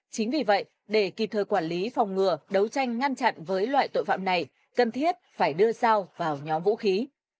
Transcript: chính vì vậy để kịp thời quản lý phòng ngừa đấu tranh ngăn chặn với loại tội phạm này cần thiết phải đưa dao vào nhóm vũ khí